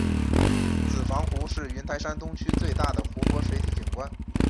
子房湖是云台山东区最大的湖泊水体景观。